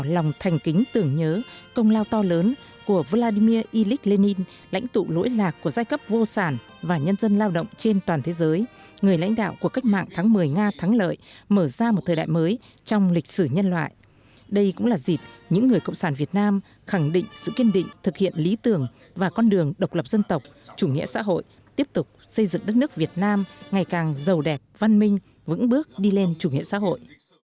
lòng thành kính tưởng nhớ công lao to lớn của vladimir ilyich lenin lãnh tụ lỗi lạc của giai cấp vô sản và nhân dân lao động trên toàn thế giới người lãnh đạo của cách mạng tháng một mươi nga thắng lợi mở ra một thời đại mới trong lịch sử nhân loại đây cũng là dịp những người cộng sản việt nam khẳng định sự kiên định thực hiện lý tưởng và con đường độc lập dân tộc chủ nghĩa xã hội tiếp tục xây dựng đất nước việt nam ngày càng giàu đẹp văn minh vững bước đi lên chủ nghĩa xã hội